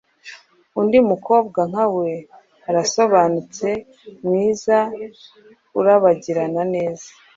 Undi Mukobwa nka we, Arasobanutse, mwiza, urabagirana neza,